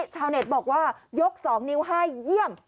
ชาวเน็ตบอกว่ายก๒นิ้วให้เยี่ยม